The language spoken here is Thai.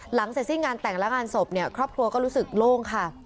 เสร็จสิ้นงานแต่งและงานศพเนี่ยครอบครัวก็รู้สึกโล่งค่ะ